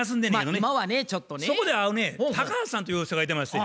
そこで会うね高橋さんという人がいてまして。